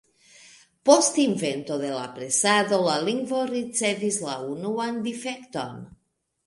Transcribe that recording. Post invento de la presado la lingvo ricevis la unuan difekton.